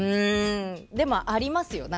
でも、ありますよ。